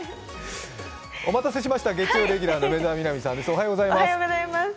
お待たせしました、月曜レギュラーの梅澤美波さんです。